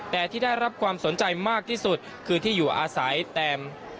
แต่ที่ได้รับความสนใจมากที่สุดคือที่อยู่อาศัยเต็ม